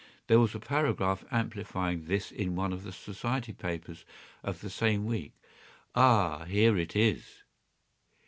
“There was a paragraph amplifying this in one of the society papers of the same week. Ah, here it is.